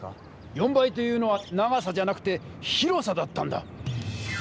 ４倍というのは長さじゃなくて広さだったんだ！